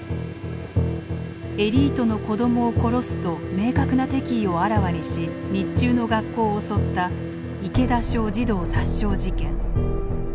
「エリートの子供を殺す」と明確な敵意をあらわにし日中の学校を襲った池田小児童殺傷事件。